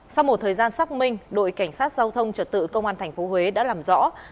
sau một thời gian xác minh đội cảnh sát giao thông trật tự công an tp huế đã làm rõ